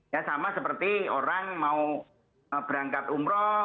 kalau mau berangkat umroh